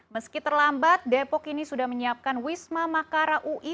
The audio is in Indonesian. meski terlambat depok ini sudah menyiapkan wisma makara ui